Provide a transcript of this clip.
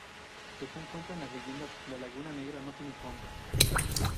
Según cuentan las leyendas, la laguna Negra no tiene fondo.